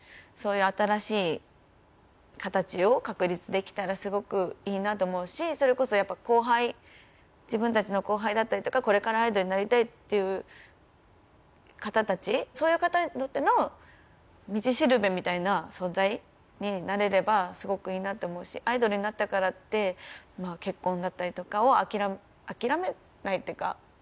そういう新しい形を確立できたらすごくいいなと思うしそれこそ後輩自分たちの後輩だったりとかこれからアイドルになりたいっていう方たちそういう方にとっての道しるべみたいな存在になれればすごくいいなって思うしアイドルになったからって結婚だったりとかを諦めないっていうか